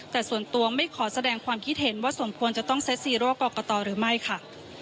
แต่ส่วนตัวไม่ขอแสดงความคิดเห็นว่าสมควรจะต้องเซ็ตซีโร่กรกตหรือไม่ค่ะ